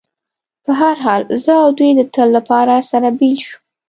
په هر حال، زه او دوی د تل لپاره سره بېل شو.